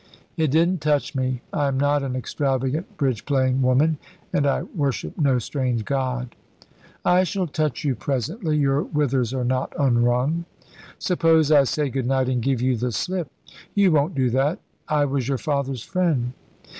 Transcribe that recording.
"It didn't touch me. I am not an extravagant, bridge playing woman, and I worship no strange god." "I shall touch you presently; your withers are not unwrung." "Suppose I say good night and give you the slip." "You won't do that. I was your father's friend."